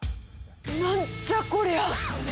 なんじゃこりゃ。